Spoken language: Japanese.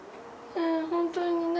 本当に何？